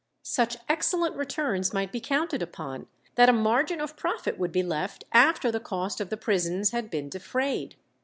Such excellent returns might be counted upon, that a margin of profit would be left after the cost of the prisons had been defrayed.